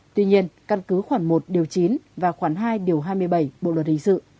tuy nhiên căn cứ khoảng một điều chín và khoảng hai điều hai mươi bảy bộ luật hình sự